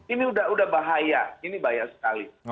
ini udah bahaya ini banyak sekali